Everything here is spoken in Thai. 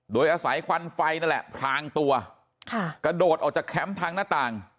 โดยอาศัยควันไฟนั่นแหละพรางตัวค่ะกระโดดออกจากแคมป์ทางหน้าต่าง